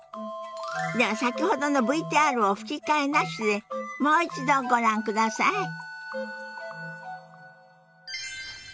では先ほどのＶＴＲを吹き替えなしでもう一度ご覧ください。